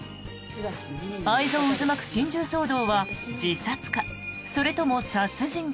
愛憎渦巻く心中騒動は自殺か、それとも殺人か？